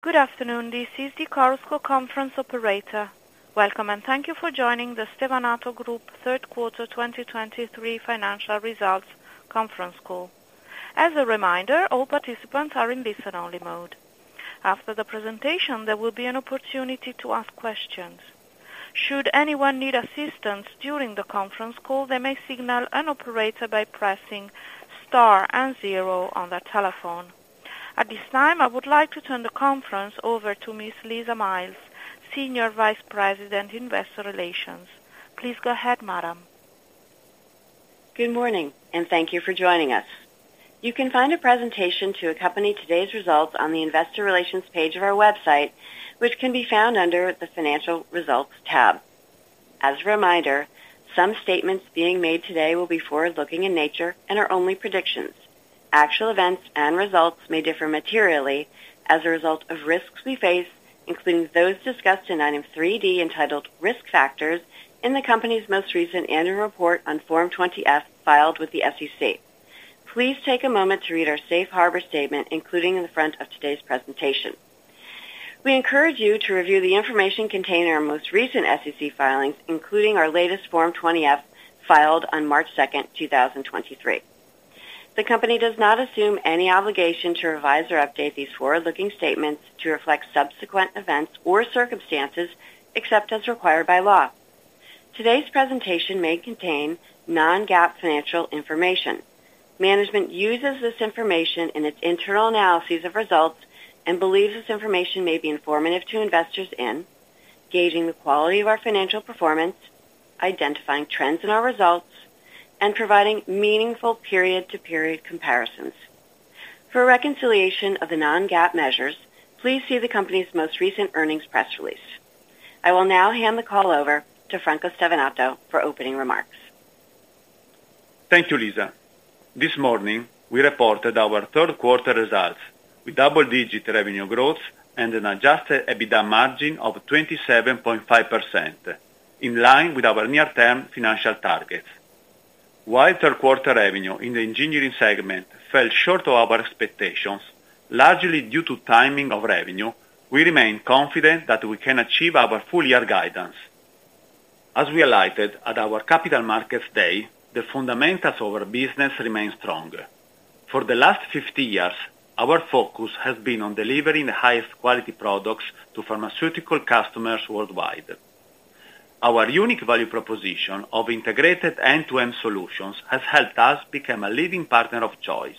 Good afternoon, this is the Chorus Call Conference Operator. Welcome, and thank you for joining the Stevanato Group Third Quarter 2023 Financial Results Conference Call. As a reminder, all participants are in listen-only mode. After the presentation, there will be an opportunity to ask questions. Should anyone need assistance during the conference call, they may signal an operator by pressing star and zero on their telephone. At this time, I would like to turn the conference over to Ms. Lisa Miles, Senior Vice President, Investor Relations. Please go ahead, Madam. Good morning, and thank you for joining us. You can find a presentation to accompany today's results on the investor relations page of our website, which can be found under the Financial Results tab. As a reminder, some statements being made today will be forward-looking in nature and are only predictions. Actual events and results may differ materially as a result of risks we face, including those discussed in Item 3.D, entitled Risk Factors, in the company's most recent annual report on Form 20-F, filed with the SEC. Please take a moment to read our safe harbor statement, including in the front of today's presentation. We encourage you to review the information contained in our most recent SEC filings, including our latest Form 20-F, filed on March 2nd, 2023. The company does not assume any obligation to revise or update these forward-looking statements to reflect subsequent events or circumstances, except as required by law. Today's presentation may contain non-GAAP financial information. Management uses this information in its internal analyses of results and believes this information may be informative to investors in gauging the quality of our financial performance, identifying trends in our results, and providing meaningful period-to-period comparisons. For a reconciliation of the non-GAAP measures, please see the company's most recent earnings press release. I will now hand the call over to Franco Stevanato for opening remarks. Thank you, Lisa. This morning, we reported our third quarter results with double-digit revenue growth and an Adjusted EBITDA margin of 27.5%, in line with our near-term financial targets. While third quarter revenue in the Engineering Segment fell short of our expectations, largely due to timing of revenue, we remain confident that we can achieve our full year guidance. As we highlighted at our Capital Markets Day, the fundamentals of our business remain strong. For the last 50 years, our focus has been on delivering the highest quality products to pharmaceutical customers worldwide. Our unique value proposition of integrated end-to-end solutions has helped us become a leading partner of choice.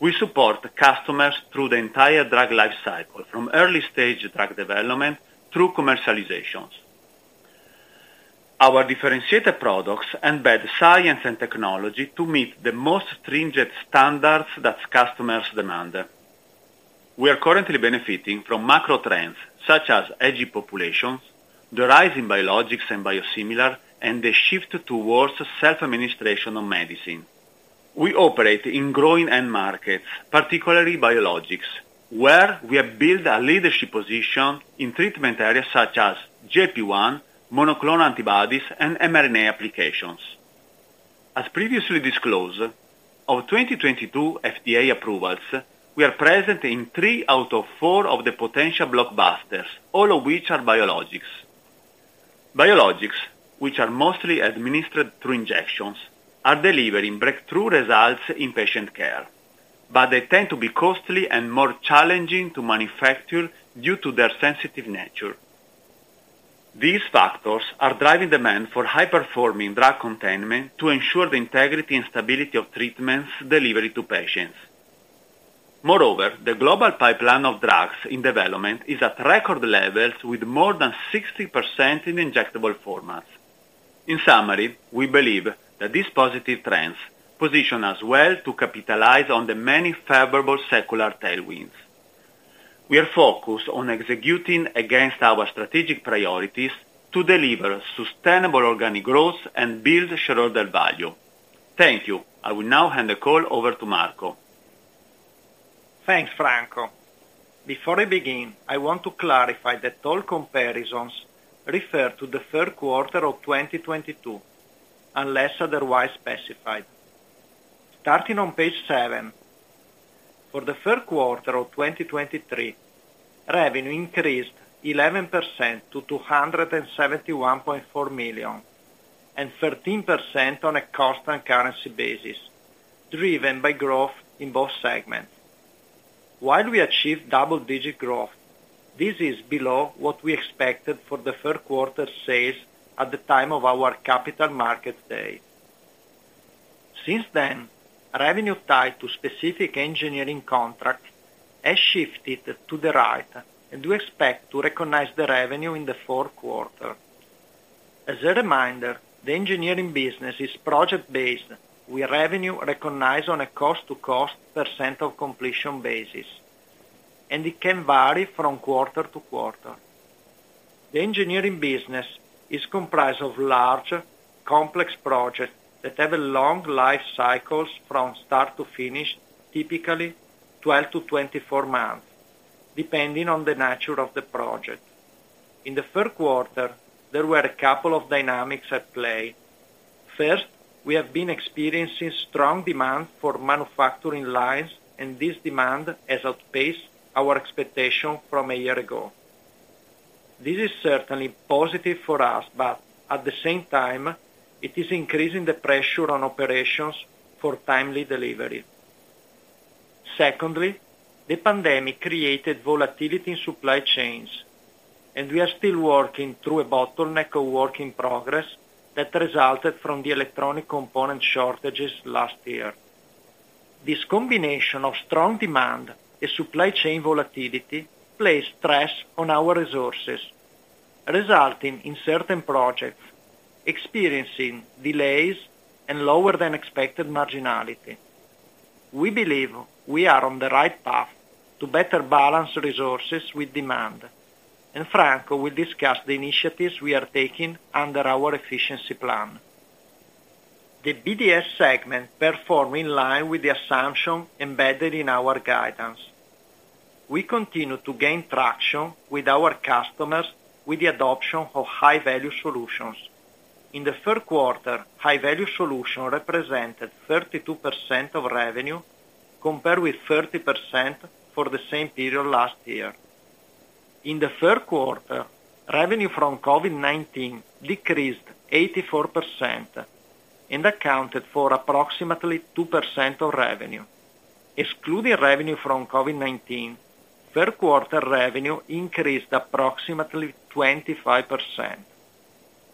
We support customers through the entire drug life cycle, from early stage drug development through commercializations. Our differentiated products embed science and technology to meet the most stringent standards that customers demand. We are currently benefiting from macro trends such as aging populations, the rise in biologics and biosimilars, and the shift towards self-administration of medicine. We operate in growing end markets, particularly biologics, where we have built a leadership position in treatment areas such as GLP-1, monoclonal antibodies, and mRNA applications. As previously disclosed, our 2022 FDA approvals, we are present in three out of four of the potential blockbusters, all of which are biologics. Biologics, which are mostly administered through injections, are delivering breakthrough results in patient care, but they tend to be costly and more challenging to manufacture due to their sensitive nature. These factors are driving demand for high-performing drug containment to ensure the integrity and stability of treatments delivered to patients. Moreover, the global pipeline of drugs in development is at record levels, with more than 60% in injectable formats. In summary, we believe that these positive trends position us well to capitalize on the many favorable secular tailwinds. We are focused on executing against our strategic priorities to deliver sustainable organic growth and build shareholder value. Thank you. I will now hand the call over to Marco. Thanks, Franco. Before I begin, I want to clarify that all comparisons refer to the third quarter of 2022, unless otherwise specified. Starting on page seven, for the third quarter of 2023, revenue increased 11% to 271.4 million, and 13% on a constant currency basis, driven by growth in both segments. While we achieved double-digit growth, this is below what we expected for the third quarter sales at the time of our Capital Markets Day. Since then, revenue tied to specific engineering contracts has shifted to the right, and we expect to recognize the revenue in the fourth quarter. As a reminder, the engineering business is project-based, with revenue recognized on a cost-to-cost percent of completion basis, and it can vary from quarter to quarter. The engineering business is comprised of large, complex projects that have long life cycles from start to finish, typically 12 to 24 months, depending on the nature of the project. In the third quarter, there were a couple of dynamics at play. First, we have been experiencing strong demand for manufacturing lines, and this demand has outpaced our expectation from a year ago. This is certainly positive for us, but at the same time, it is increasing the pressure on operations for timely delivery. Secondly, the pandemic created volatility in supply chains, and we are still working through a bottleneck of work in progress that resulted from the electronic component shortages last year. This combination of strong demand and supply chain volatility place stress on our resources, resulting in certain projects experiencing delays and lower than expected marginality. We believe we are on the right path to better balance resources with demand, and Franco will discuss the initiatives we are taking under our efficiency plan. The BDS segment performed in line with the assumption embedded in our guidance. We continue to gain traction with our customers with the adoption of high-value solutions. In the third quarter, high-value solution represented 32% of revenue, compared with 30% for the same period last year. In the third quarter, revenue from COVID-19 decreased 84% and accounted for approximately 2% of revenue. Excluding revenue from COVID-19, third quarter revenue increased approximately 25%.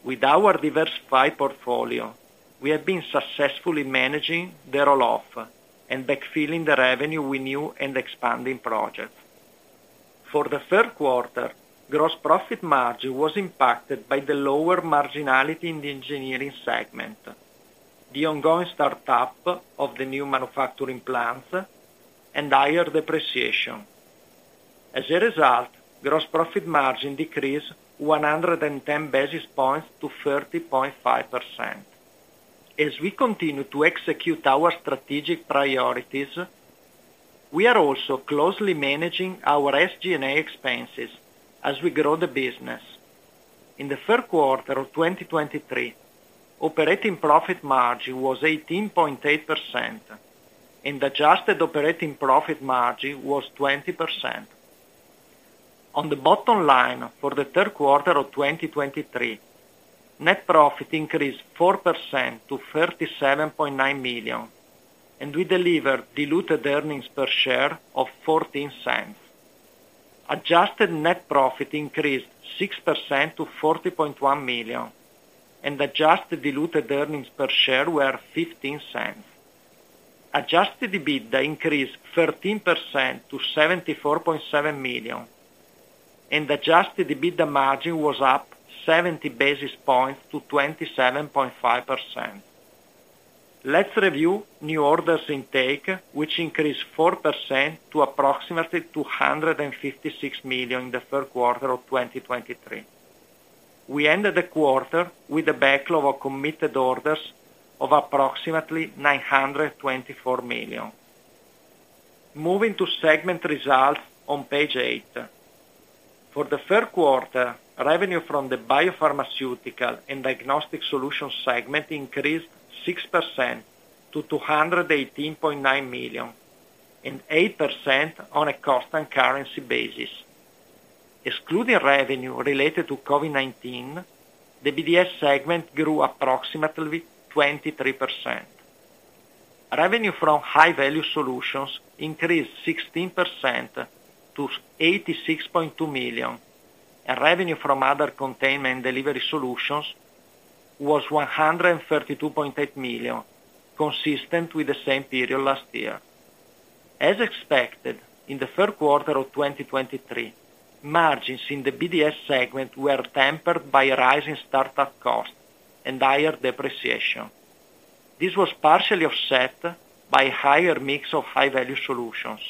With our diversified portfolio, we have been successfully managing the roll-off and backfilling the revenue we knew and expanding projects. For the third quarter, gross profit margin was impacted by the lower marginality in the engineering segment, the ongoing startup of the new manufacturing plants, and higher depreciation. As a result, gross profit margin decreased 110 basis points to 30.5%. As we continue to execute our strategic priorities, we are also closely managing our SG&A expenses as we grow the business. In the third quarter of 2023, operating profit margin was 18.8%, and adjusted operating profit margin was 20%. On the bottom line, for the third quarter of 2023, net profit increased 4% to 37.9 million, and we delivered diluted earnings per share of $0.14. Adjusted net profit increased 6% to 40.1 million, and adjusted diluted earnings per share were $0.15. Adjusted EBITDA increased 13% to 74.7 million, and adjusted EBITDA margin was up 70 basis points to 27.5%. Let's review new orders intake, which increased 4% to approximately 256 million in the third quarter of 2023. We ended the quarter with a backlog of committed orders of approximately 924 million. Moving to segment results on page 8. For the third quarter, revenue from the biopharmaceutical and diagnostic solutions segment increased 6% to 218.9 million, and 8% on a constant currency basis. Excluding revenue related to COVID-19, the BDS segment grew approximately 23%. Revenue from high-value solutions increased 16% to 86.2 million, and revenue from other containment delivery solutions was 132.8 million, consistent with the same period last year. As expected, in the third quarter of 2023, margins in the BDS segment were tempered by a rise in startup costs and higher depreciation. This was partially offset by higher mix of high-value solutions.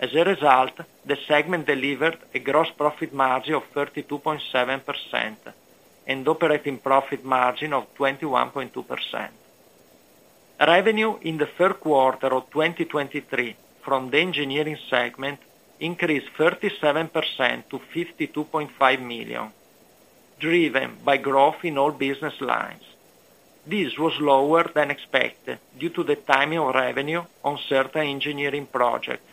As a result, the segment delivered a gross profit margin of 32.7% and operating profit margin of 21.2%. Revenue in the third quarter of 2023 from the engineering segment increased 37% to 52.5 million, driven by growth in all business lines. This was lower than expected due to the timing of revenue on certain engineering projects,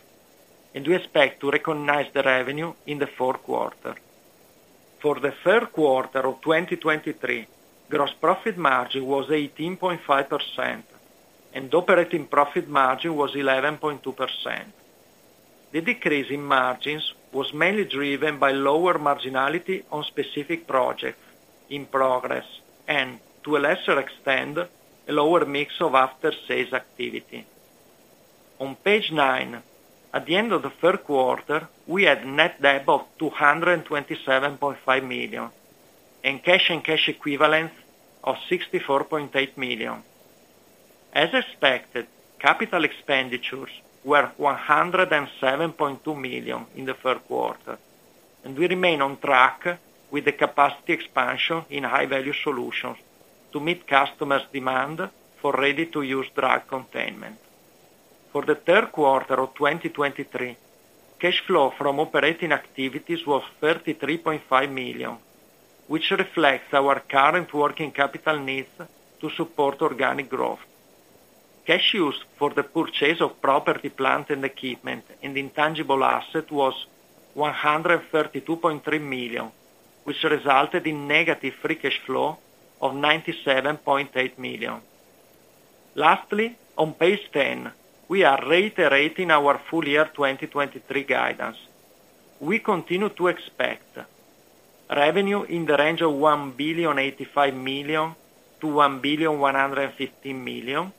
and we expect to recognize the revenue in the fourth quarter. For the third quarter of 2023, gross profit margin was 18.5%, and operating profit margin was 11.2%. The decrease in margins was mainly driven by lower marginality on specific projects in progress, and to a lesser extent, a lower mix of after-sales activity. On page nine, at the end of the third quarter, we had net debt of 227.5 million, and cash and cash equivalents of 64.8 million. As expected, capital expenditures were 107.2 million in the third quarter, and we remain on track with the capacity expansion in high-value solutions to meet customers' demand for ready-to-use drug containment.... For the third quarter of 2023, cash flow from operating activities was 33.5 million, which reflects our current working capital needs to support organic growth. Cash used for the purchase of property, plant, and equipment, and intangible asset was 132.3 million, which resulted in negative free cash flow of 97.8 million. Lastly, on page 10, we are reiterating our full year 2023 guidance. We continue to expect revenue in the range of 1,085 billion-1,115 billion,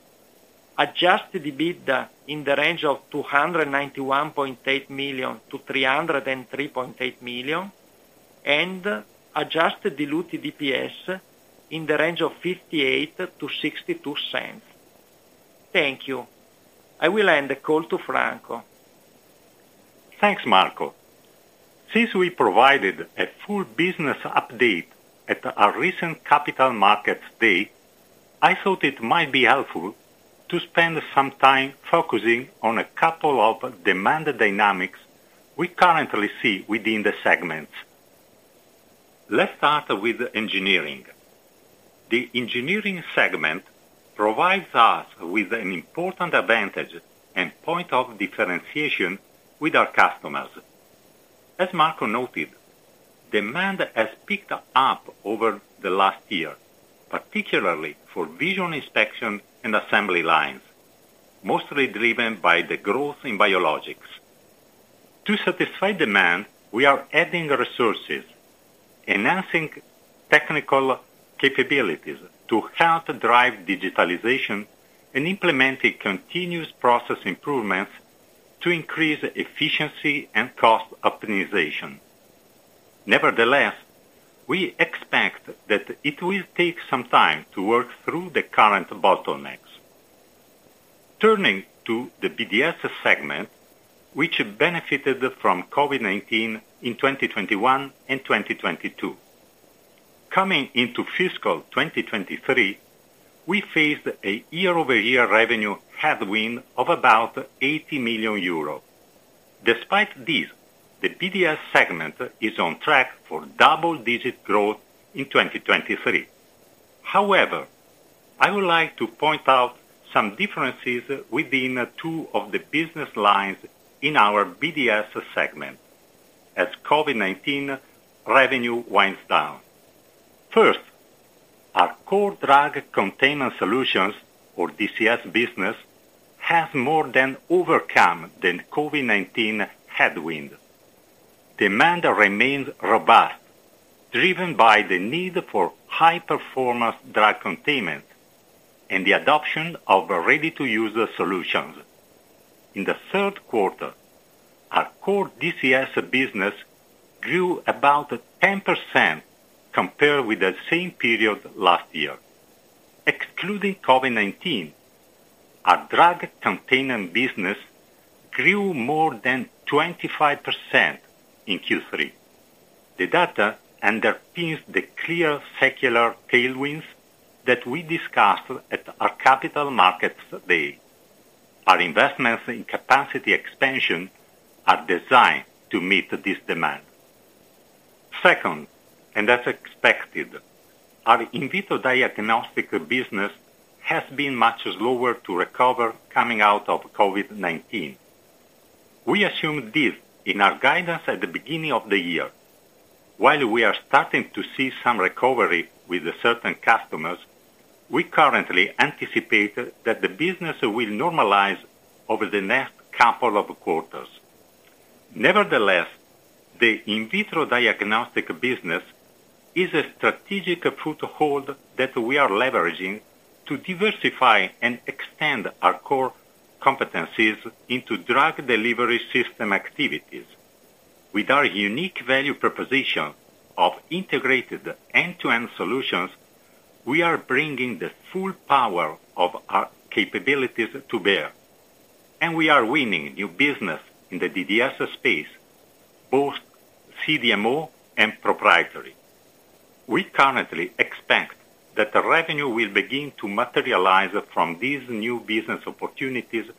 adjusted EBITDA in the range of 291.8 million-303.8 million, and adjusted diluted EPS in the range of $0.58-$0.62. Thank you. I will hand the call to Franco. Thanks, Marco. Since we provided a full business update at our recent Capital Markets Day, I thought it might be helpful to spend some time focusing on a couple of demand dynamics we currently see within the segments. Let's start with engineering. The engineering segment provides us with an important advantage and point of differentiation with our customers. As Marco noted, demand has picked up over the last year, particularly for vision inspection and assembly lines, mostly driven by the growth in biologics. To satisfy demand, we are adding resources, enhancing technical capabilities to help drive digitalization, and implementing continuous process improvements to increase efficiency and cost optimization. Nevertheless, we expect that it will take some time to work through the current bottlenecks. Turning to the BDS segment, which benefited from COVID-19 in 2021 and 2022. Coming into fiscal 2023, we faced a year-over-year revenue headwind of about 80 million euros. Despite this, the BDS segment is on track for double-digit growth in 2023. However, I would like to point out some differences within two of the business lines in our BDS segment as COVID-19 revenue winds down. First, our core drug containment solutions, or DCS business, has more than overcome the COVID-19 headwind. Demand remains robust, driven by the need for high-performance drug containment and the adoption of ready-to-use solutions. In the third quarter, our core DCS business grew about 10% compared with the same period last year. Excluding COVID-19, our drug containment business grew more than 25% in Q3. The data underpins the clear secular tailwinds that we discussed at our Capital Markets Day. Our investments in capacity expansion are designed to meet this demand. Second, and as expected, our In-Vitro Diagnostic Business has been much slower to recover coming out of COVID-19. We assumed this in our guidance at the beginning of the year. While we are starting to see some recovery with certain customers, we currently anticipate that the business will normalize over the next couple of quarters. Nevertheless, the In-Vitro Diagnostic Business is a strategic foothold that we are leveraging to diversify and extend our core competencies into drug delivery system activities. With our unique value proposition of integrated end-to-end solutions, we are bringing the full power of our capabilities to bear, and we are winning new business in the DDS space, both CDMO and proprietary. We currently expect that the revenue will begin to materialize from these new business opportunities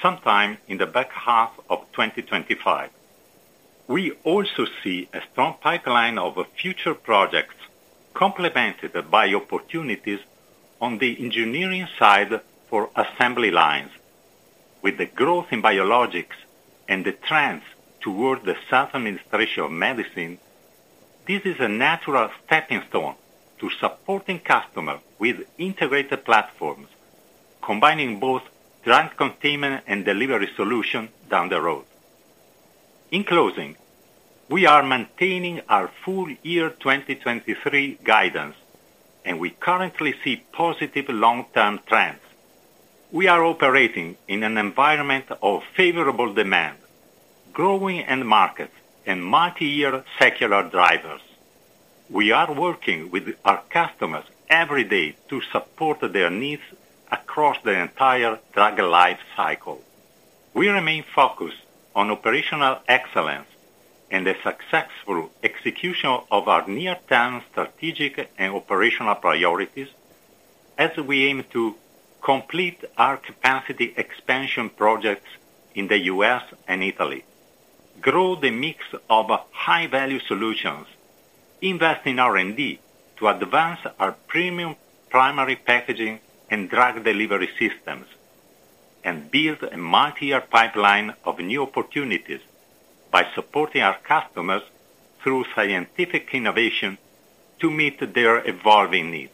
sometime in the back half of 2025. We also see a strong pipeline of future projects, complemented by opportunities on the engineering side for assembly lines. With the growth in biologics and the trends toward the self-administration of medicine, this is a natural stepping stone to supporting customers with integrated platforms, combining both drug containment and delivery solution down the road. In closing, we are maintaining our full year 2023 guidance, and we currently see positive long-term trends. We are operating in an environment of favorable demand, growing end markets, and multiyear secular drivers. We are working with our customers every day to support their needs across the entire drug life cycle. We remain focused on operational excellence and a successful execution of our near-term strategic and operational priorities, as we aim to complete our capacity expansion projects in the U.S. and Italy, grow the mix of high-value solutions, invest in R&D to advance our premium primary packaging and drug delivery systems, and build a multi-year pipeline of new opportunities by supporting our customers through scientific innovation to meet their evolving needs.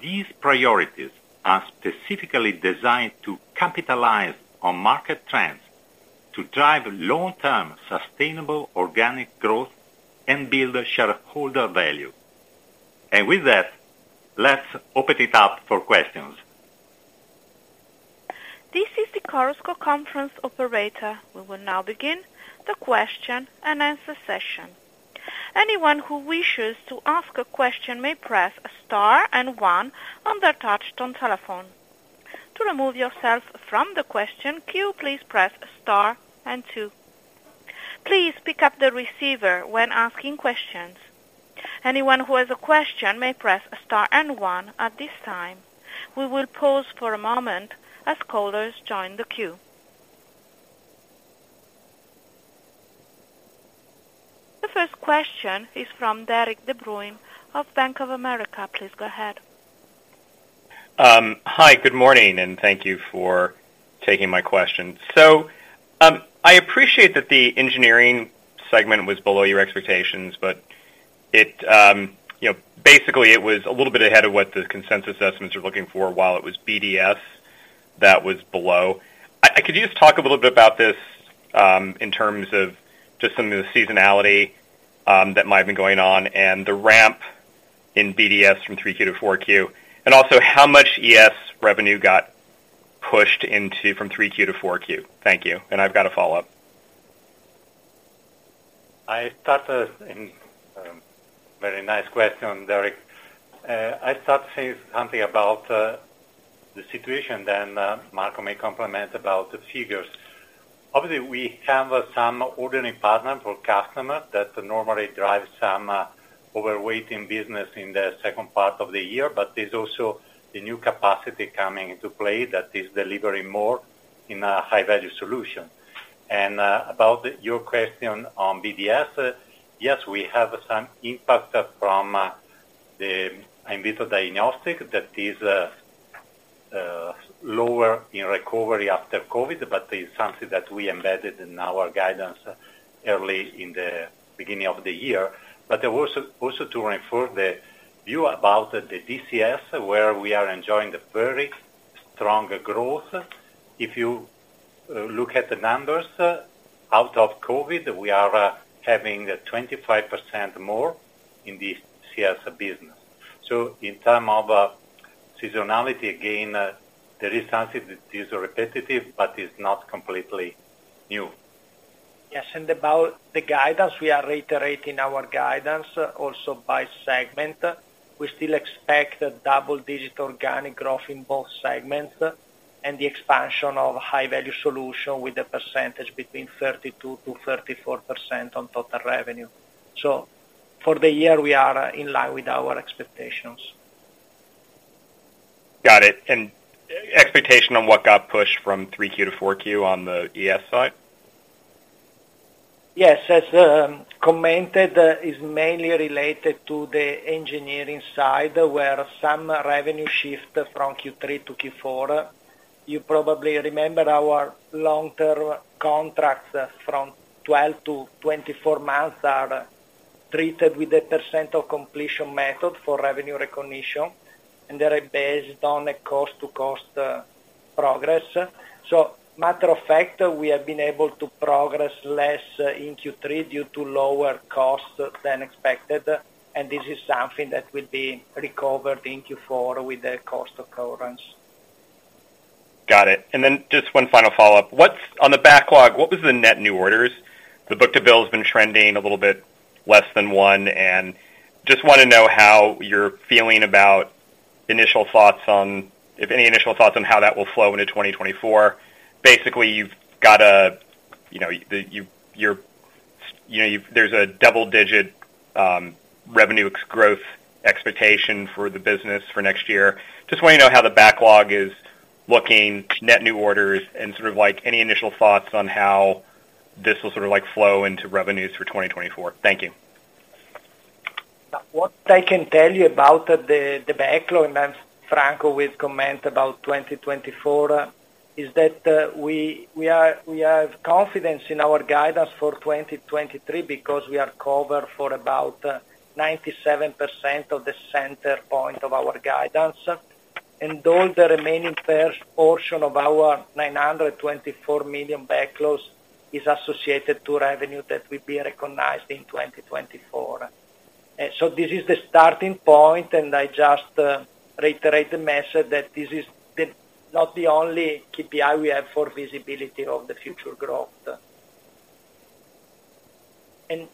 These priorities are specifically designed to capitalize on market trends, to drive long-term sustainable organic growth, and build shareholder value. And with that, let's open it up for questions. This is the Chorus Call Conference Operator. We will now begin the question-and-answer session. Anyone who wishes to ask a question may press star and one on their touch-tone telephone. To remove yourself from the question queue, please press star and two. Please pick up the receiver when asking questions. Anyone who has a question may press star and one at this time. We will pause for a moment as callers join the queue. The first question is from Derik de Bruin of Bank of America. Please go ahead. Hi, good morning, and thank you for taking my question. So, I appreciate that the engineering segment was below your expectations, but it, you know, basically, it was a little bit ahead of what the consensus assessments are looking for, while it was BDS that was below? Could you just talk a little bit about this, in terms of just some of the seasonality, that might have been going on and the ramp in BDS from 3Q to 4Q? And also, how much ES revenue got pushed into from 3Q to 4Q? Thank you, and I've got a follow-up. I start very nice question, Derik. I start saying something about the situation, then Marco may comment about the figures. Obviously, we have some ordering partners or customers that normally drive some overweight in business in the second part of the year, but there's also the new capacity coming into play that is delivering more in a high-value solution. And about your question on BDS, yes, we have some impact from the in-vitro diagnostic that is lower in recovery after COVID, but it's something that we embedded in our guidance early in the beginning of the year. But also to reinforce the view about the DCS, where we are enjoying the very strong growth. If you look at the numbers, out of COVID, we are having 25% more in the DCS business. So in terms of seasonality, again, there is something that is repetitive, but is not completely new. Yes, and about the guidance, we are reiterating our guidance also by segment. We still expect double-digit organic growth in both segments and the expansion of high-value solution with a percentage between 32%-34% on total revenue. So for the year, we are in line with our expectations. Got it. And expectation on what got pushed from 3Q to 4Q on the ES side? Yes, as commented, is mainly related to the engineering side, where some revenue shift from Q3 to Q4. You probably remember our long-term contracts from 12 to 24 months are treated with a percent of completion method for revenue recognition, and they are based on a cost-to-cost progress. So matter of fact, we have been able to progress less in Q3 due to lower costs than expected, and this is something that will be recovered in Q4 with the cost occurrence. Got it. And then just one final follow-up. What's on the backlog, what was the net new orders? The book-to-bill has been trending a little bit less than one, and just want to know how you're feeling about initial thoughts on... If any initial thoughts on how that will flow into 2024. Basically, you've got a, you know, you've got a double-digit revenue growth expectation for the business for next year. Just want to know how the backlog is looking, net new orders, and sort of, like, any initial thoughts on how this will sort of, like, flow into revenues for 2024. Thank you. What I can tell you about the backlog, and then Franco will comment about 2024, is that we have confidence in our guidance for 2023 because we are covered for about 97% of the center point of our guidance. All the remaining first portion of our 924 million backlogs is associated to revenue that will be recognized in 2024. So this is the starting point, and I just reiterate the message that this is not the only KPI we have for visibility of the future growth.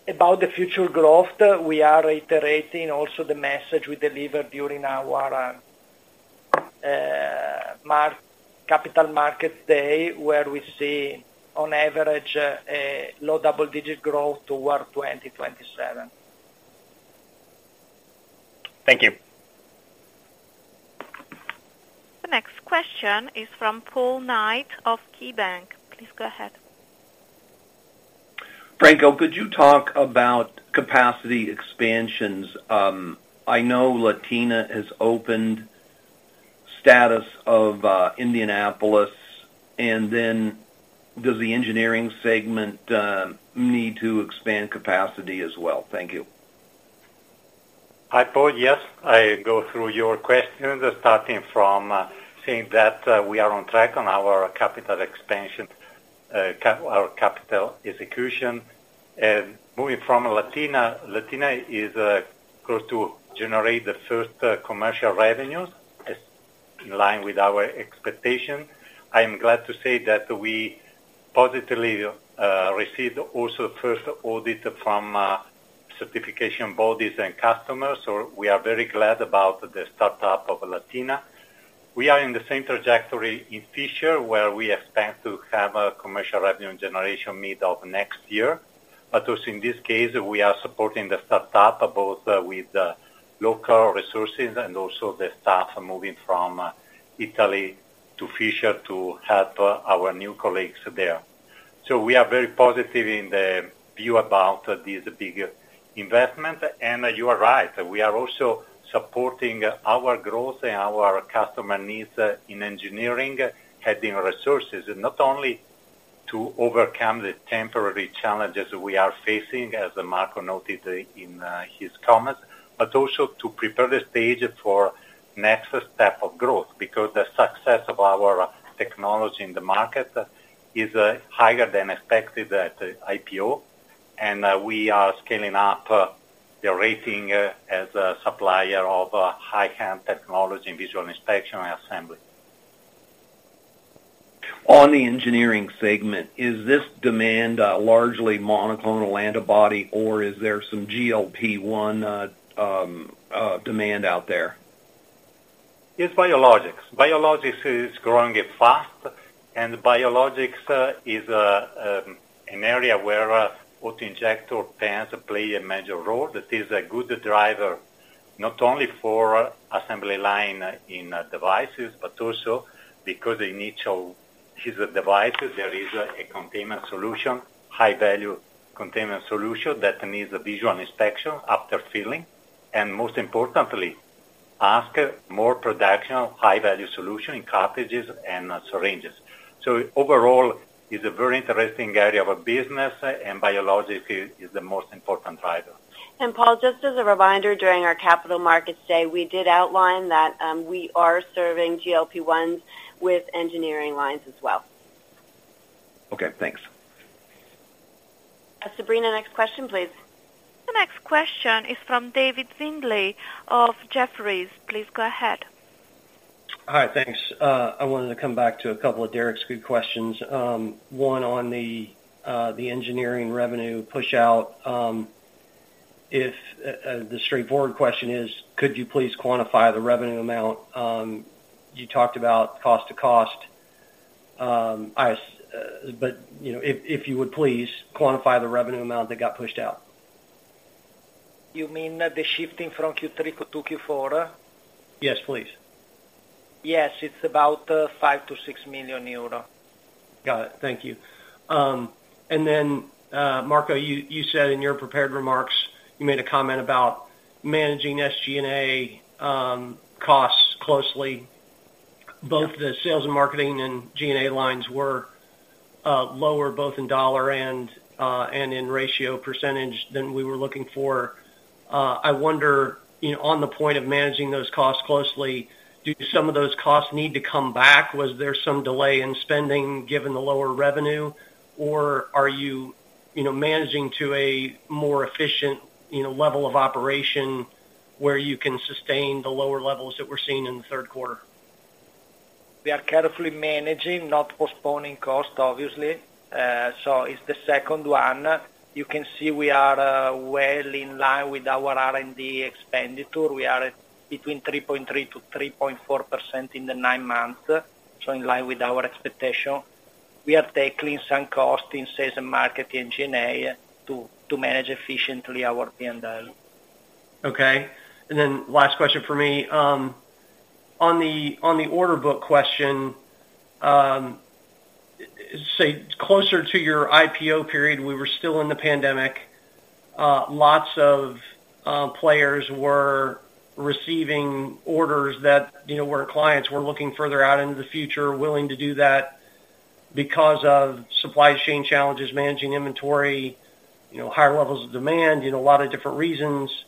About the future growth, we are reiterating also the message we delivered during our annual Capital Markets Day, where we see on average low double-digit growth toward 2027. Thank you. The next question is from Paul Knight of KeyBanc. Please go ahead. Franco, could you talk about capacity expansions? I know Latina has opened, status of Indianapolis, and then does the engineering segment need to expand capacity as well? Thank you. Hi, Paul. Yes, I go through your questions, starting from saying that we are on track on our capital expansion, our capital execution. Moving from Latina. Latina is going to generate the first commercial revenues. It's in line with our expectation. I am glad to say that we positively received also first audit from certification bodies and customers. So we are very glad about the startup of Latina. We are in the same trajectory in Fishers, where we expect to have a commercial revenue generation mid of next year. But also in this case, we are supporting the startup, both with the local resources and also the staff moving from Italy to Fishers to help our new colleagues there. So we are very positive in the view about this big investment, and you are right. We are also supporting our growth and our customer needs in engineering, adding resources, not only to overcome the temporary challenges we are facing, as Marco noted in his comments, but also to set the stage for the next step of growth, because the success of our technology in the market is higher than expected at IPO, and we are scaling up our rating as a supplier of high-end technology and visual inspection and assembly. On the engineering segment, is this demand largely monoclonal antibody, or is there some GLP-1 demand out there? It's biologics. Biologics is growing fast, and biologics is an area where auto injector tends to play a major role. That is a good driver, not only for assembly line in devices, but also because the initial device, there is a containment solution, high-value containment solution that needs a visual inspection after filling, and most importantly, ask more production, high-value solution in cartridges and syringes. So overall, it's a very interesting area of our business, and biologics is the most important driver. Paul, just as a reminder, during our Capital Markets Day, we did outline that we are serving GLP-1 with engineering lines as well. Okay, thanks. Sabrina, next question, please. The next question is from David Windley of Jefferies. Please go ahead. Hi, thanks. I wanted to come back to a couple of Derik's good questions. One on the engineering revenue pushout. If the straightforward question is, could you please quantify the revenue amount? You talked about cost-to-cost. But, you know, if you would please quantify the revenue amount that got pushed out. You mean the shifting from Q3 to Q4? Yes, please. Yes, it's about 5 million-6 million euro. Got it. Thank you. And then, Marco, you, you said in your prepared remarks, you made a comment about managing SG&A costs closely. Yeah. Both the sales and marketing and G&A lines were lower, both in dollar and in ratio percentage than we were looking for. I wonder, you know, on the point of managing those costs closely, do some of those costs need to come back? Was there some delay in spending, given the lower revenue, or are you, you know, managing to a more efficient, you know, level of operation where you can sustain the lower levels that we're seeing in the third quarter? We are carefully managing, not postponing costs, obviously. So it's the second one. You can see we are well in line with our R&D expenditure. We are between 3.3%-3.4% in the nine months, so in line with our expectation. We are tackling some costs in sales and market and G&A to manage efficiently our P&L. Okay. And then last question for me. On the order book question, say, closer to your IPO period, we were still in the pandemic. Lots of players were receiving orders that, you know, where clients were looking further out into the future, willing to do that because of supply chain challenges, managing inventory, you know, higher levels of demand, you know, a lot of different reasons.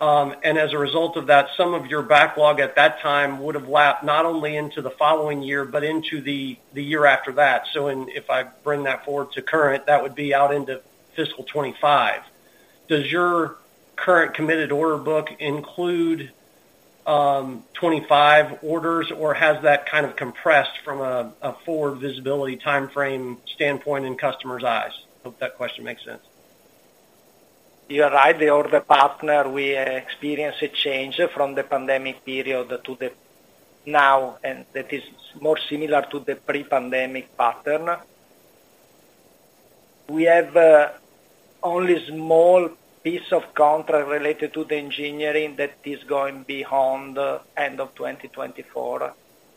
And as a result of that, some of your backlog at that time would have lapped not only into the following year, but into the year after that. So and if I bring that forward to current, that would be out into fiscal 2025. Does your current committed order book include 2025 orders, or has that kind of compressed from a forward visibility timeframe standpoint in customers' eyes? Hope that question makes sense.... You are right, the order partner, we experience a change from the pandemic period to the now, and that is more similar to the pre-pandemic pattern. We have only small piece of contract related to the engineering that is going beyond the end of 2024,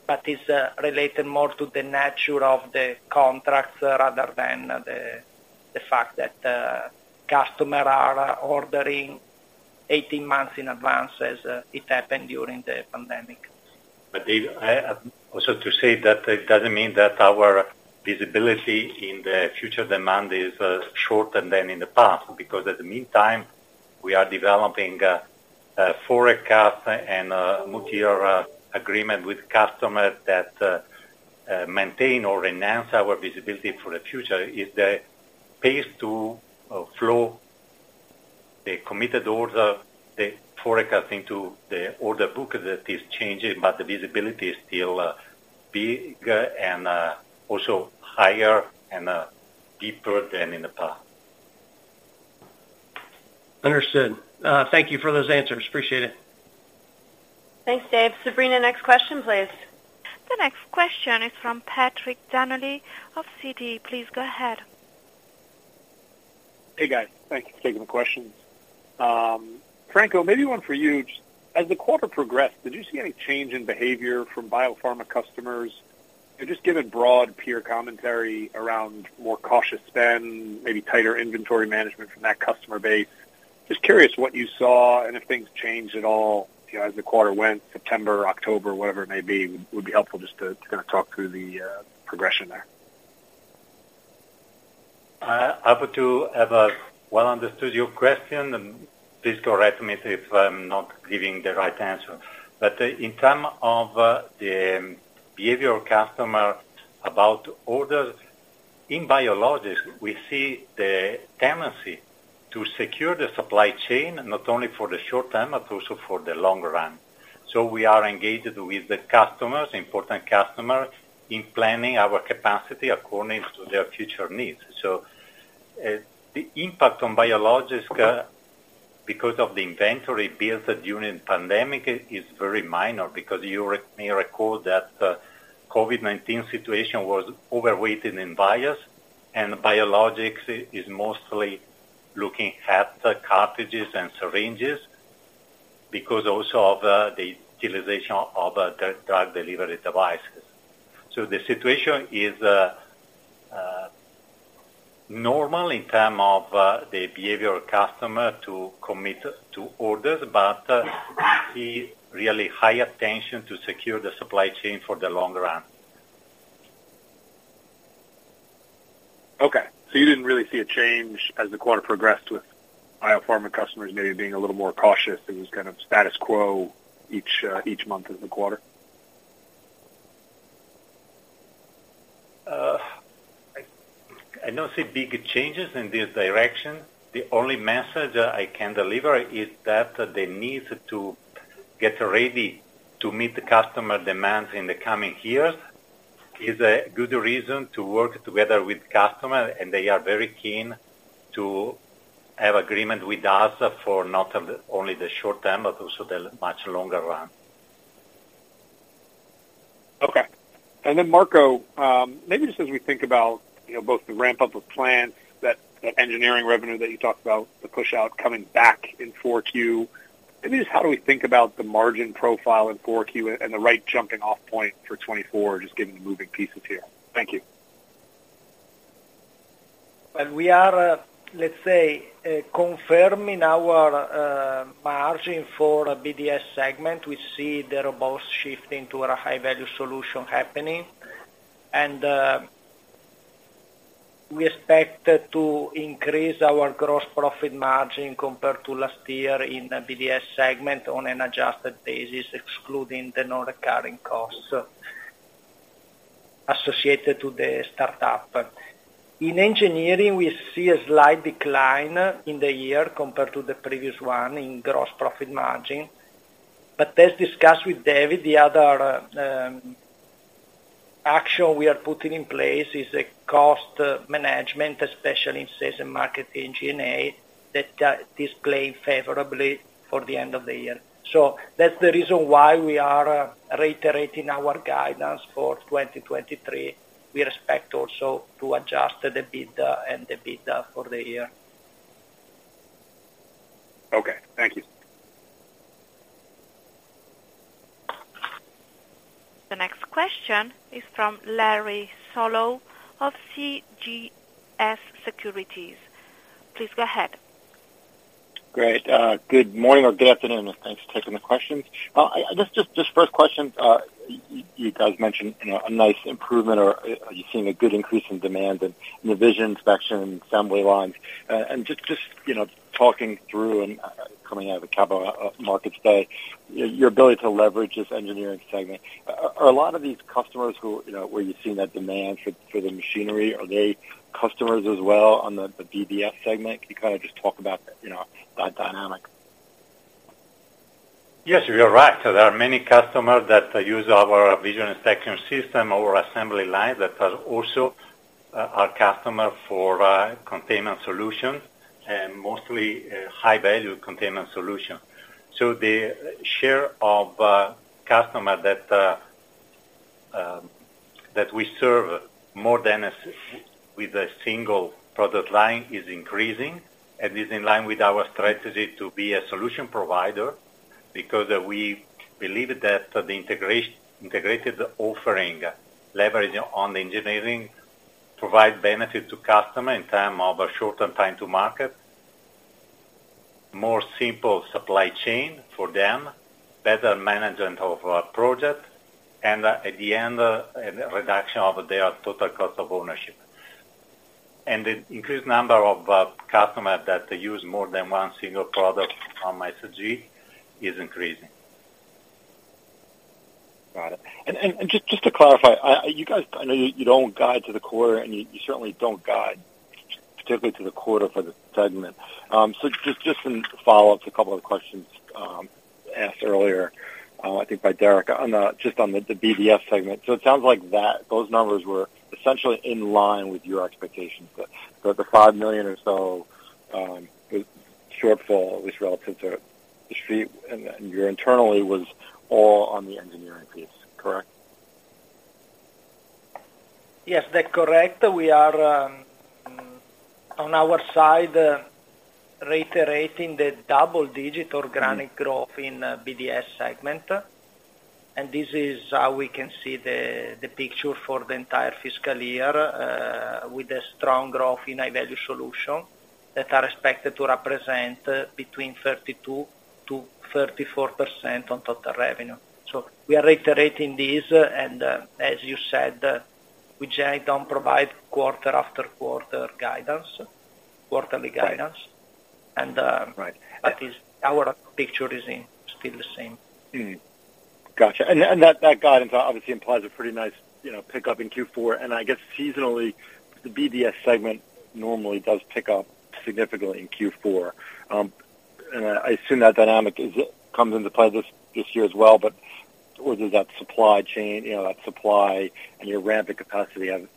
but it's related more to the nature of the contracts rather than the fact that customer are ordering 18 months in advance, as it happened during the pandemic. But David, I also to say that it doesn't mean that our visibility in the future demand is shorter than in the past, because at the meantime, we are developing a forecast and a multi-year agreement with customers that maintain or enhance our visibility for the future. It is the pace to flow the committed order, the forecasting to the order book that is changing, but the visibility is still big and also higher and deeper than in the past. Understood. Thank you for those answers. Appreciate it. Thanks, Dave. Sabrina, next question, please. The next question is from Patrick Donnelly of Citi. Please go ahead. Hey, guys. Thank you for taking the questions. Franco, maybe one for you. As the quarter progressed, did you see any change in behavior from biopharma customers? And just given broad peer commentary around more cautious spend, maybe tighter inventory management from that customer base, just curious what you saw and if things changed at all, you know, as the quarter went, September, October, whatever it may be, would be helpful just to, kind of, talk through the progression there. Happy to have well understood your question, and please correct me if I'm not giving the right answer. But in terms of the behavior of customers about orders in biologics, we see the tendency to secure the supply chain, not only for the short term, but also for the long run. So we are engaged with the customers, important customers, in planning our capacity according to their future needs. So the impact on biologics because of the inventory built during pandemic is very minor because you may recall that the COVID-19 situation was overweighted in vials, and biologics is mostly looking at the cartridges and syringes because also of the utilization of drug delivery devices. The situation is normal in term of the behavioral customer to commit to orders, but see really high attention to secure the supply chain for the long run. Okay, so you didn't really see a change as the quarter progressed with biopharma customers maybe being a little more cautious. It was kind of status quo each month of the quarter? I don't see big changes in this direction. The only message I can deliver is that the need to get ready to meet the customer demands in the coming years is a good reason to work together with customer, and they are very keen to have agreement with us for not only the short term, but also the much longer run. Okay. And then, Marco, maybe just as we think about, you know, both the ramp up of plants, that engineering revenue that you talked about, the pushout coming back in 4Q, maybe just how do we think about the margin profile in 4Q and the right jumping off point for 2024, just given the moving pieces here? Thank you. Well, we are, let's say, confirming our margin for BDS segment. We see the robust shifting to a high-value solution happening. And we expect to increase our gross profit margin compared to last year in the BDS segment on an adjusted basis, excluding the non-recurring costs associated to the startup. In engineering, we see a slight decline in the year compared to the previous one in gross profit margin. But as discussed with David, the other action we are putting in place is a cost management, especially in sales and marketing G&A, that display favorably for the end of the year. So that's the reason why we are reiterating our guidance for 2023. We expect also to adjust the book-to-bill for the year. Okay, thank you. The next question is from Larry Solow of CJS Securities. Please go ahead. Great. Good morning or good afternoon. Thanks for taking the questions. Just first question, you guys mentioned, you know, a nice improvement, or are you seeing a good increase in demand in the vision inspection and assembly lines? And just, you know, talking through and, coming out of the Capital Markets Day, your ability to leverage this engineering segment, a lot of these customers who, you know, where you're seeing that demand for the machinery, are they customers as well on the BDS segment? Can you, kind of, just talk about, you know, that dynamic? Yes, you're right. There are many customers that use our vision inspection system or assembly line, that are also our customer for containment solution, and mostly high-value containment solution. So the share of customer that we serve more than with a single product line is increasing, and is in line with our strategy to be a solution provider, because we believe that the integrated offering, leveraging on the engineering, provide benefit to customer in term of a shorter time to market, more simple supply chain for them, better management of our project, and, at the end, a reduction of their total cost of ownership. The increased number of customer that use more than one single product from SG is increasing. Got it. And just to clarify, you guys, I know you don't guide to the quarter, and you certainly don't guide, particularly to the quarter for the segment. So just some follow-ups, a couple of questions asked earlier, I think by Derik, on just on the BDS segment. So it sounds like that those numbers were essentially in line with your expectations. But the 5 million or so shortfall, at least relative to the street, and internally, was all on the engineering piece, correct? Yes, that's correct. We are on our side, reiterating the double-digit organic growth in BDS segment. And this is how we can see the picture for the entire fiscal year, with a strong growth in high-value solution, that are expected to represent between 32%-34% on total revenue. So we are reiterating this, and, as you said, we generally don't provide quarter after quarter guidance, quarterly guidance. Right. And, um— Right. At least our picture is in, still the same. Mm-hmm. Gotcha. And, and that, that guidance obviously implies a pretty nice, you know, pickup in Q4, and I guess seasonally, the BDS segment normally does pick up significantly in Q4. And I assume that dynamic is, comes into play this, this year as well, but or does that supply chain, you know, that supply and your rampant capacity have...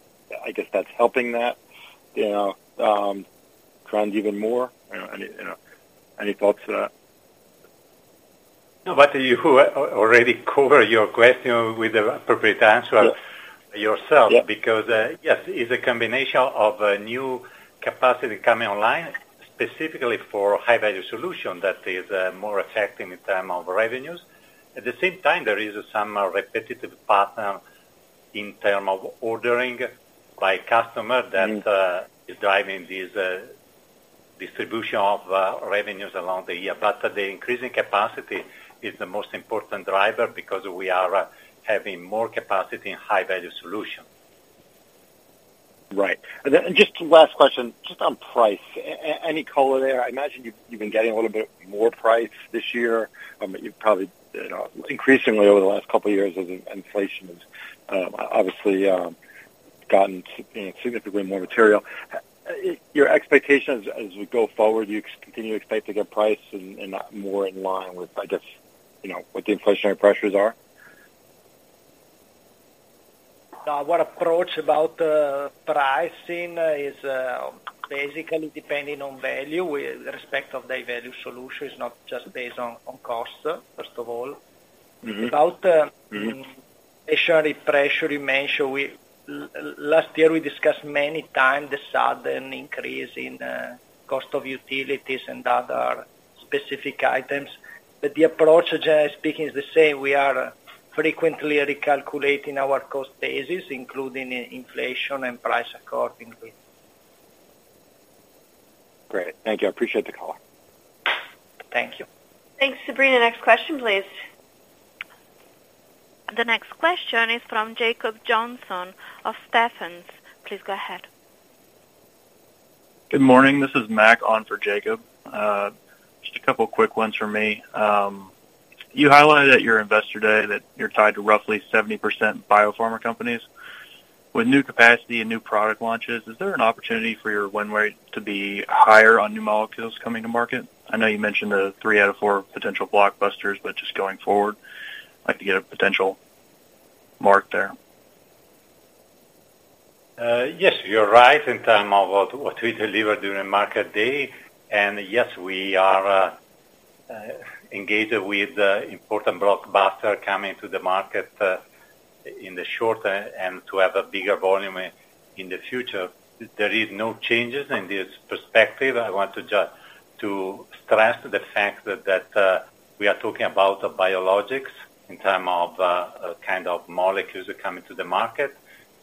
I guess that's helping that, you know, trend even more? You know, any, you know, any thoughts to that? No, but you already covered your question with the appropriate answer— Yeah. yourself. Yeah. Because, yes, it's a combination of a new capacity coming online, specifically for high-value solution that is, more effective in term of revenues. At the same time, there is some repetitive pattern in term of ordering by customer— Mm. that is driving this distribution of revenues along the year. But the increasing capacity is the most important driver, because we are having more capacity in high-value solution. Right. And then just last question, just on price. Any color there? I imagine you've, you've been getting a little bit more price this year, but you've probably, you know, increasingly over the last couple of years as inflation has, obviously, gotten, you know, significantly more material. Your expectations as we go forward, do you continue to expect to get price and, and more in line with, I guess, you know, what the inflationary pressures are? Our approach about pricing is basically depending on value, with respect of the value solution, is not just based on cost, first of all. Mm-hmm. Without, um— Mm-hmm. inflationary pressure, you mentioned. Last year, we discussed many times the sudden increase in cost of utilities and other specific items. But the approach, generally speaking, is the same. We are frequently recalculating our cost basis, including inflation and price accordingly. Great. Thank you. I appreciate the call. Thank you. Thanks. Sabrina, next question, please. The next question is from Jacob Johnson of Stephens. Please go ahead. Good morning, this is Mason for Jacob. Just a couple quick ones from me. You highlighted at your Investor Day that you're tied to roughly 70% biopharma companies. With new capacity and new product launches, is there an opportunity for your win rate to be higher on new molecules coming to market? I know you mentioned the three out of four potential blockbusters, but just going forward, like to get a potential mark there. Yes, you're right in term of what we delivered during Market Day, and yes, we are engaged with important blockbuster coming to the market in the short term, and to have a bigger volume in the future. There is no changes in this perspective. I want to just to stress the fact that we are talking about the biologics in term of kind of molecules coming to the market,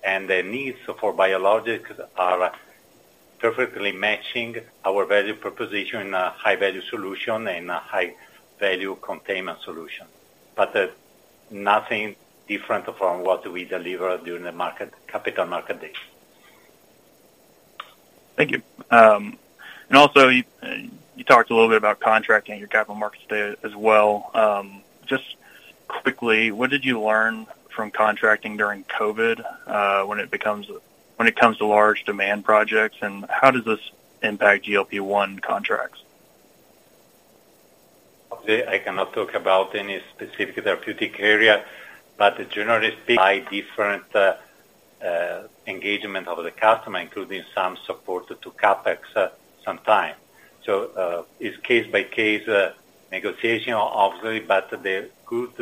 and the needs for biologics are perfectly matching our value proposition, high-value solution and a high-value containment solution. But nothing different from what we delivered during the market, Capital Market Day. Thank you. And also, you talked a little bit about contracting your capital markets today as well. Quickly, what did you learn from contracting during COVID, when it comes to large demand projects, and how does this impact GLP-1 contracts? I cannot talk about any specific therapeutic area, but generally speaking, by different engagement of the customer, including some support to CapEx sometime. So, it's case-by-case negotiation, obviously, but the good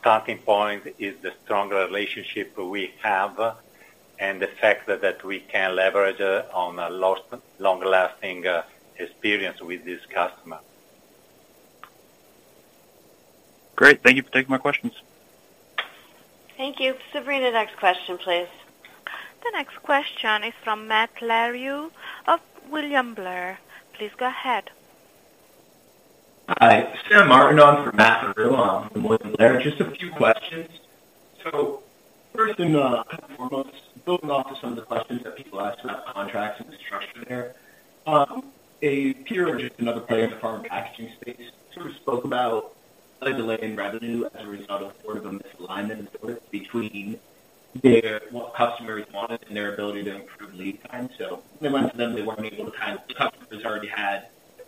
starting point is the strong relationship we have and the fact that we can leverage on a long-lasting experience with this customer. Great. Thank you for taking my questions. Thank you. Sabrina, next question, please. The next question is from Matt Larew of William Blair. Please go ahead. Hi, Sam Martin on for Matt Larew of William Blair. Just a few questions. So first and foremost, building off of some of the questions that people asked about contracts and the structure there. A peer, just another player in the pharma packaging space, sort of spoke about a delay in revenue as a result of sort of a misalignment between their, what customers wanted and their ability to improve lead time. So they went to them, they weren't able to have, the customers already had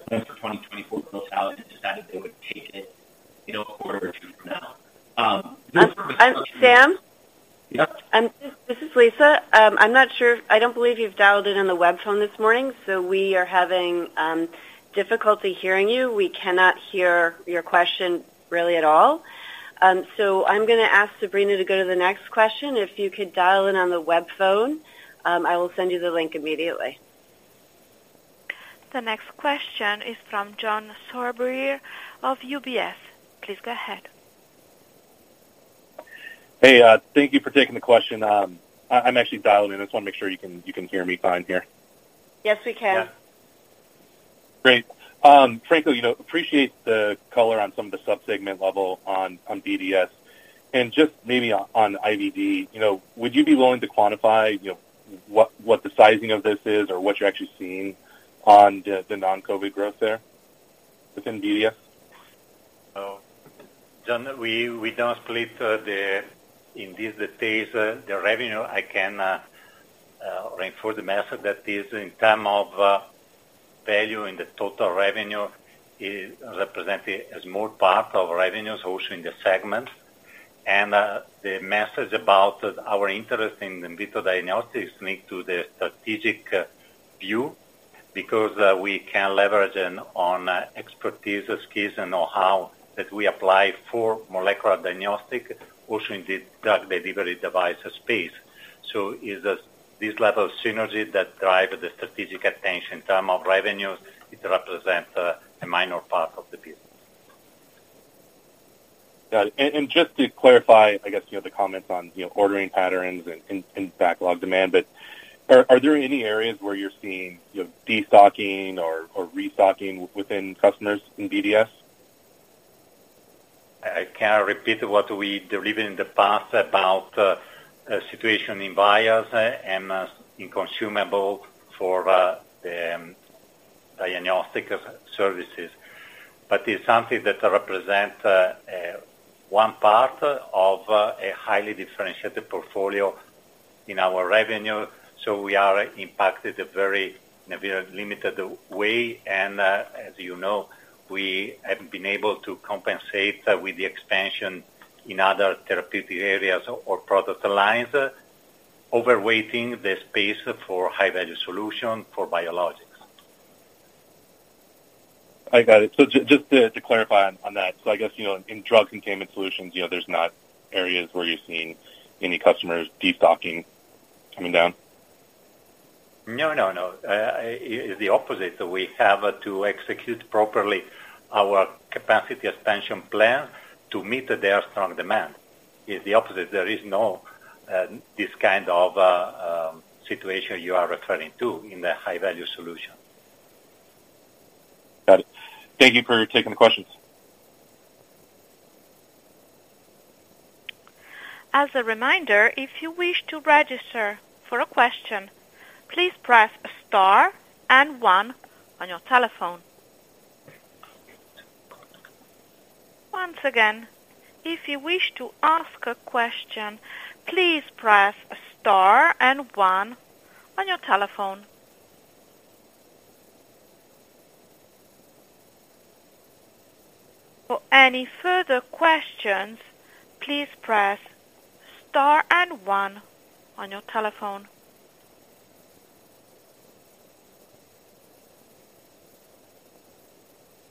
for 2024 built out and decided they would take it, you know, a quarter or two from now. Um, Sam? Yeah. This is Lisa. I'm not sure. I don't believe you've dialed in on the web phone this morning, so we are having difficulty hearing you. We cannot hear your question really at all. So I'm gonna ask Sabrina to go to the next question. If you could dial in on the web phone, I will send you the link immediately. The next question is from John Sourbeer of UBS. Please go ahead. Hey, thank you for taking the question. I'm actually dialed in. I just want to make sure you can hear me fine here. Yes, we can. Great. Franco, you know, I appreciate the color on some of the subsegment level on BDS. And just maybe on IVD, you know, would you be willing to quantify, you know, what the sizing of this is, or what you're actually seeing on the non-COVID growth there within BDS? So, John, we don't split the, in this case, the revenue. I can reinforce the message that is in term of value in the total revenue is represented as more part of revenues, also in the segment. The message about our interest in in-vitro diagnostics link to the strategic view, because we can leverage on expertise, skills, and know-how that we apply for molecular diagnostic, also in the drug delivery device space. So is this, this level of synergy that drive the strategic attention. In term of revenues, it represents a minor part of the business. Got it. And just to clarify, I guess, you know, the comments on, you know, ordering patterns and backlog demand, but are there any areas where you're seeing, you know, destocking or restocking within customers in BDS? I can repeat what we delivered in the past about situation in bios and in consumable for the diagnostic services. But it's something that represent one part of a highly differentiated portfolio in our revenue, so we are impacted a very limited way. As you know, we have been able to compensate with the expansion in other therapeutic areas or product lines, overweighting the space for high-value solution for biologics. I got it. So just to clarify on that, so I guess, you know, in drug containment solutions, you know, there's not areas where you're seeing any customers destocking coming down? No, no, no. It's the opposite. We have to execute properly our capacity expansion plan to meet their strong demand. It's the opposite. There is no, this kind of situation you are referring to in the high-value solution. Got it. Thank you for taking the questions. As a reminder, if you wish to register for a question, please press star and one on your telephone. Once again, if you wish to ask a question, please press star and one on your telephone. For any further questions, please press star and one on your telephone.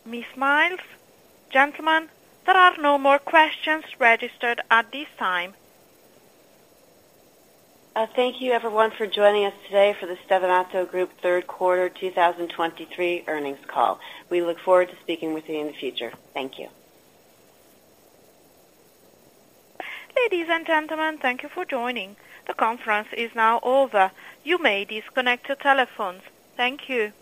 Ms. Miles, gentlemen, there are no more questions registered at this time. Thank you, everyone, for joining us today for the Stevanato Group third quarter 2023 earnings call. We look forward to speaking with you in the future. Thank you. Ladies and gentlemen, thank you for joining. The conference is now over. You may disconnect your telephones. Thank you.